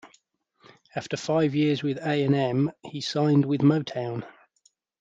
After five years with A and M, he signed with Motown.